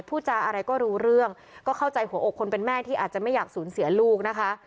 พูดจาอะไรก็รู้เรื่องก็เข้าใจหัวอกคนเป็นแม่ที่อาจจะไม่อยากสูญเสียลูกนะคะ